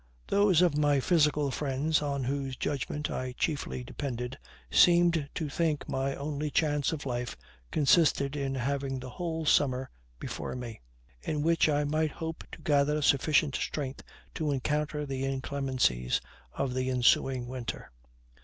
Those of my physical friends on whose judgment I chiefly depended seemed to think my only chance of life consisted in having the whole summer before me; in which I might hope to gather sufficient strength to encounter the inclemencies of the ensuing winter.